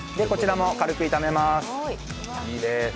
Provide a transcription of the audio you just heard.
こちらも軽く炒めます。